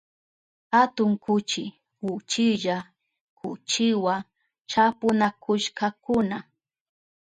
Atun kuchi uchilla kuchiwa chapunakushkakuna.